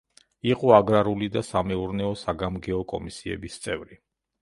იყო აგრარული და სამეურნეო-საგამგეო კომისიების წევრი.